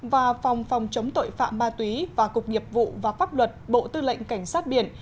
và phòng phòng chống tội phạm ma túy và cục nhiệp vụ và pháp luật bộ tư lệnh cảnh sát biển